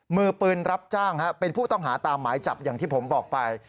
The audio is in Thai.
มือปืนรับจ้างเป็นผู้ต้องหาตามหมายจับอย่างที่ผมบอกไป